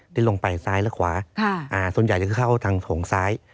ที่ลงไปซ้ายและขวาส่วนใหญ่จะเข้าทางโถงซ้าย